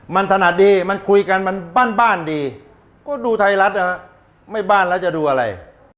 มันถนัดดีมันคุยกันมันบ้านดีก็ดูไทยรัฐนะฮะไม่บ้านแล้วจะดูอะไร